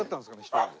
１人で。